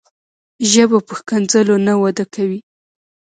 ژبه په ښکنځلو نه وده کوي.